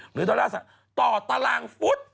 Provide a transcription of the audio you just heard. ดอลลาร์ต่อตารางฟุต